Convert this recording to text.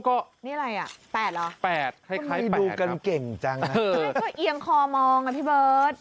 เยียงคอมองอ่ะพี่เบิ้ด